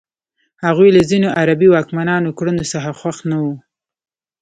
هغوی له ځینو عربي واکمنانو کړنو څخه خوښ نه وو.